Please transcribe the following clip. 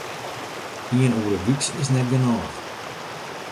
Ien oere wyks is net genôch.